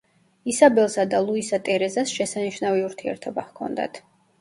ისაბელსა და ლუისა ტერეზას შესანიშნავი ურთიერთობა ჰქონდათ.